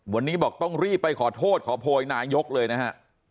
วันนี้บอกต้องรีบไปขอโทษขอโพยนายกเลยนะฮะ